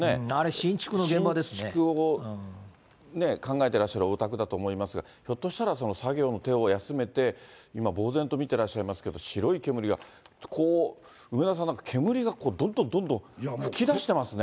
新築を考えてらっしゃるお宅だと思いますが、ひょっとしたら作業の手を休めて、今ぼう然と見ていらっしゃいますけれども、白い煙が、こう、梅沢さん、煙がどんどんどんどん噴き出してますね。